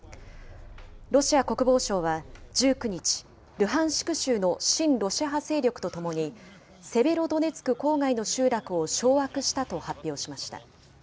ロシア国防省は１９日、ルハンシク州の親ロシア派勢力とともに、セベロドネツク郊外の集落を掌握したと発表しました。